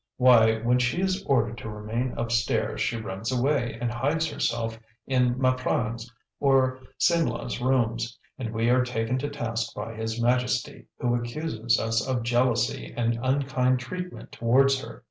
Why, when she is ordered to remain up stairs, she runs away, and hides herself in Maprang's or Simlah's rooms, and we are taken to task by his Majesty, who accuses us of jealousy and unkind treatment towards her.